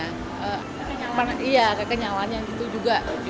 maksudnya untuk rasa sama ininya kekenyalaannya gitu juga terpasuk